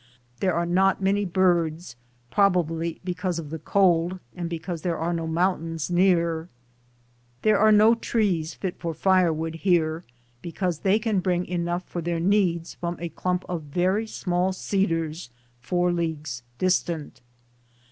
There are not many birds, probably because of the cold, and because there are no mountains near. There are no trees fit for firewood here, because they can bring enough for their needs from a clump of very small cedars 4 leagues distant.'